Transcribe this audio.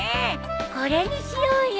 これにしようよ。